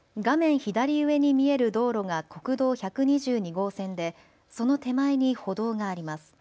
左上に見える道路が国道１２２号線でその手前に歩道があります。